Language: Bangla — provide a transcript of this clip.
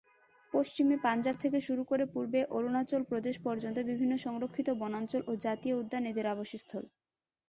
পশ্চিমে পাঞ্জাব থেকে শুরু করে পূর্বে অরুণাচল প্রদেশ পর্যন্ত বিভিন্ন সংরক্ষিত বনাঞ্চল ও জাতীয় উদ্যান এদের আবাসস্থল।